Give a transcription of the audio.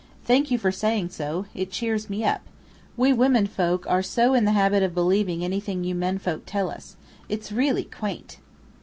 "Thank you for saying so. It cheers me up. We women folk are so in the habit of believing anything you men folk tell us. It's really quaint!"